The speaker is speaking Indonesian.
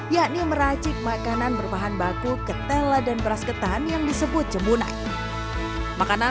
yakni meracik makanan berbahan baku ketela dan beras ketan yang disebut jemunai makanan